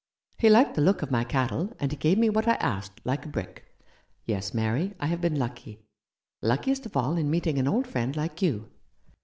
He liked the look of my cattle, and he gave me what I asked, like a brick. Yes, Mary, I have been lucky, luckiest of all in meeting an old friend like you."